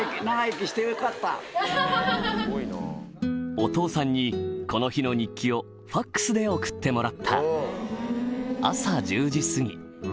お父さんにこの日の日記をＦＡＸで送ってもらった「朝十時すぎ」